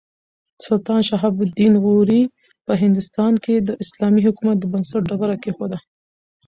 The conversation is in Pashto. سلطان شهاب الدین غوري په هندوستان کې د اسلامي حکومت د بنسټ ډبره کېښوده.